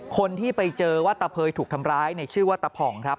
คนที่ไปเจอว่าตะเภยถูกทำร้ายชื่อว่าตะผ่องครับ